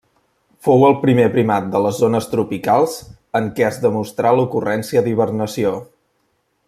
Fou el primer primat de les zones tropicals en què es demostrà l'ocurrència d'hibernació.